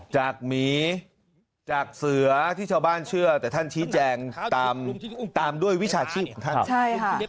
จากหมีจากเสือที่ชาวบ้านเชื่อแต่ท่านชี้แจงตามด้วยวิชาชีพ